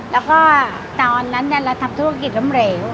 แล้วก็ตอนนั้นเนี่ยเราทำธุรกิจลำเรว